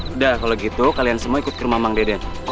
udah kalau gitu kalian semua ikut ke rumah bang deden